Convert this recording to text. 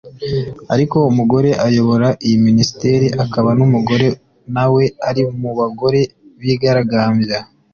Ariko umugore uyobora iyi Minisiteri akaba n’umugore nawe ari mu bagore bigaragambya